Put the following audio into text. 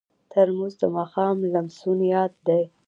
ترموز د ماښام لمسون یاد دی.